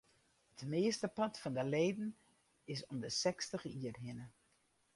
It meastepart fan de leden is om de sechstich jier hinne.